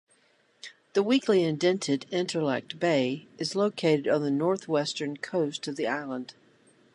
The weakly indented Iterlak bay is located on the northwestern coast of the island.